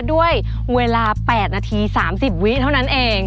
ด้วยเวลา๘นาที๓๐วิเท่านั้นเอง